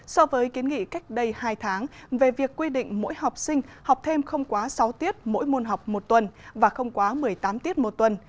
so với kiến nghị cách đây hai tháng về việc quy định mỗi học sinh học thêm không quá sáu tiết mỗi môn học một tuần và không quá một mươi tám tiết một tuần